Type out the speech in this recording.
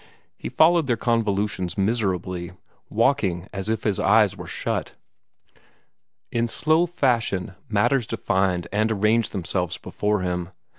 He followed their convolutions miserably, walking as if his eyes were shut. In slow fashion matters defined and arranged themselves before him.